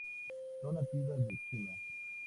Son nativas de China.